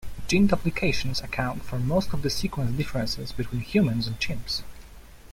Gene duplications account for most of the sequence differences between humans and chimps.